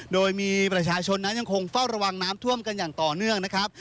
โดยมีประชาชนนั้นยังคงเฝ้าระวังน้ำท่วมกันอย่างต่อเนื่องนะครับ